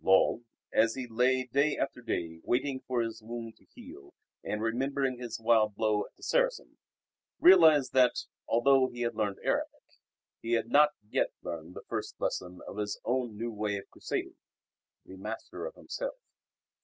Lull, as he lay day after day waiting for his wound to heal and remembering his wild blow at the Saracen, realised that, although he had learned Arabic, he had not yet learned the first lesson of his own new way of Crusading to be master of himself.